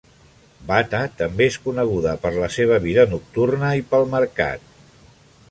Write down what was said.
Bata també és coneguda per la seva vida nocturna i pel mercat.